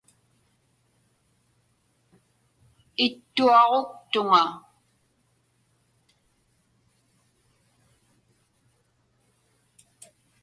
Ittuaġuktuŋa.